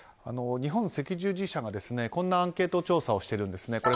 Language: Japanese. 日本赤十字社がこんなアンケート調査をしているんですね。